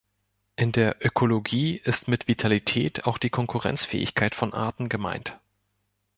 In der Ökologie ist mit Vitalität auch die Konkurrenzfähigkeit von Arten gemeint.